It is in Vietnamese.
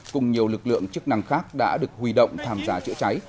cùng nhiều lực lượng chức năng khác đã được huy động tham gia chữa cháy